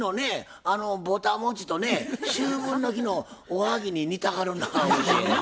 あのぼたもちとね秋分の日のおはぎに似てはるなぁ思て。